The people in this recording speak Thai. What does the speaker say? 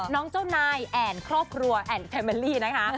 น้องเจ้านายแอนด์ครอบครัวแอนด์แฟมัลลี่นะคะ